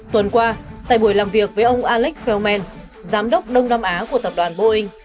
tuần qua tại buổi làm việc với ông alex feldman giám đốc đông nam á của tập đoàn boeing